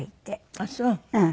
ああそう。